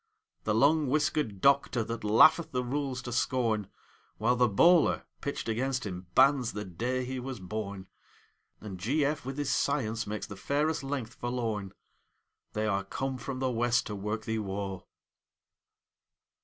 The long whiskered Doctor, that laugheth the rules to scorn, While the bowler, pitched against him, bans the day he was born; And G.F. with his science makes the fairest length forlorn; They are come from the West to work thee woe!